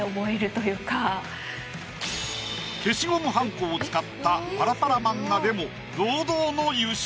消しゴムはんこを使ったパラパラ漫画でも堂々の優勝。